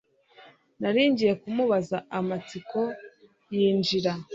nari ngiye kumubaza, amatsiko, yinjira